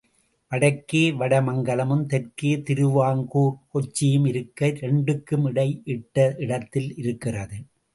வடக்கே வட மங்கலமும் தெற்கே திருவாங்கூர் கொச்சியும் இருக்க, இரண்டுக்கும் இடையிட்ட இடத்தில் இருக்கிறது.